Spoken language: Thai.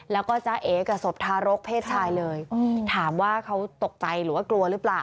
แล้วก็จ้าเอกับศพทารกเพศชายเลยถามว่าเขาตกใจหรือว่ากลัวหรือเปล่า